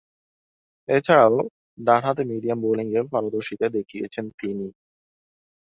এছাড়াও, ডানহাতে মিডিয়াম বোলিংয়ে পারদর্শীতা দেখিয়েছেন তিনি।